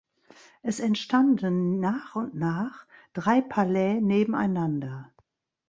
Es entstanden nach und nach drei Palais nebeneinander.